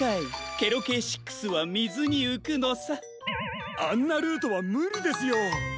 ケロＫ６はみずにうくのさ。あんなルートはむりですよ。